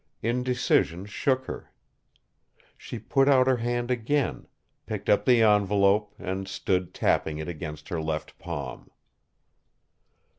Indecision shook her. She put out her hand again, picked up the envelope and stood tapping it against her left palm.